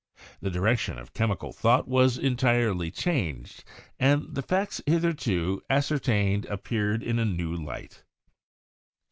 The direction of chemical thought was entirely changed, and the facts hith erto ascertained appeared in a new light.